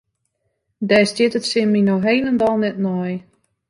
Dêr stiet it sin my no hielendal net nei.